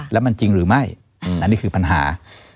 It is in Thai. แล้วมันจริงหรือไม่อันนี้คือปัญหา